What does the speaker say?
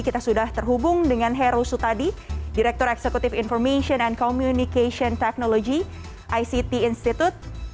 kita sudah terhubung dengan heru sutadi direktur eksekutif information and communication technology ict institute